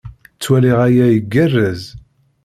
Ttwaliɣ aya igerrez.